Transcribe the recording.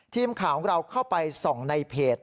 ทีมข่าวของเราเข้าไปส่องในเพจ